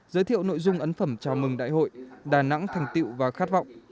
giới thiệu nội dung ấn phẩm chào mừng đại hội đà nẵng thành tiệu và khát vọng